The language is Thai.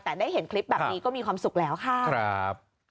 แต่ได้เห็นคลิปแบบนี้ก็มีความสุขแล้วค่ะครับ